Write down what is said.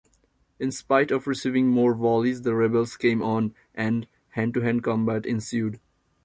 In spite of receiving more volleys, the Rebels came on, and hand-to-hand combat ensued.